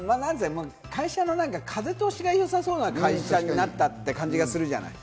会社の風通しがよさそうな会社になったって感じがするじゃない？